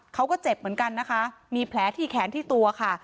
เขาก็เจ็บเหมือนกันนะคะมีแผลที่แขนที่ตัวค่ะ